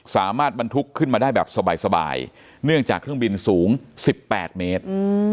สามารถบรรทุกขึ้นมาได้แบบสบายเนื่องจากเครื่องบินสูง๑๘เมตร